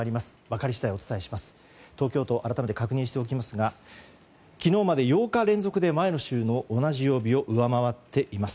改めて確認しておきますが昨日まで８日連続で前の週の同じ曜日を上回っています。